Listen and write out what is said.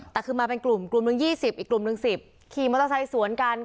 แต่คือมาเป็นกลุ่มกลุ่มหนึ่ง๒๐อีกกลุ่มหนึ่ง๑๐ขี่มอเตอร์ไซค์สวนกัน